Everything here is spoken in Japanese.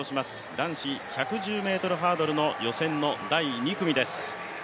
男子１１０ｍハードルの予選の第２組です。